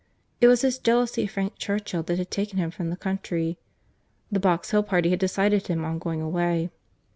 It was his jealousy of Frank Churchill that had taken him from the country.—The Box Hill party had decided him on going away.